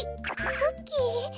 クッキー？